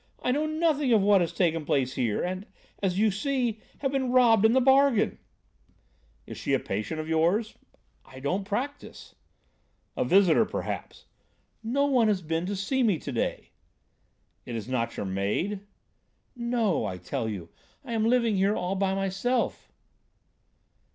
I know nothing of what has taken place here, and, as you see, have been robbed into the bargain." "Is she a patient of yours?" "I don't practise." "A visitor, perhaps?" "No one has been to see me to day." "It is not your maid?" "No; I tell you. I am living here all by myself."